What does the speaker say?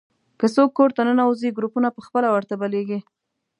که څوک کور ته ننوځي، بلپونه په خپله ورته بلېږي.